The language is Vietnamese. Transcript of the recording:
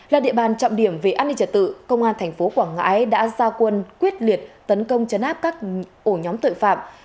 là địa bàn trọng điểm về an ninh trật tự công an tp quảng ngãi đã ra quân quyết liệt tấn công chấn áp các ổ nhóm tội phạm